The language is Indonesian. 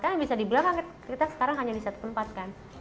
karena bisa dibilang kita sekarang hanya di satu tempat kan